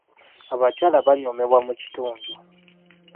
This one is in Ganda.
Abakyala banyoomebwa mu kitundu.